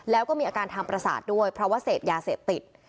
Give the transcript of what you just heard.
แล้วก็มีอาการทางประสาทด้วยเพราะว่าเสพยาเสพติด